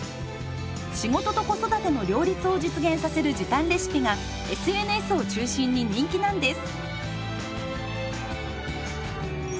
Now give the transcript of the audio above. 仕事と子育ての両立を実現させる時短レシピがＳＮＳを中心に人気なんです。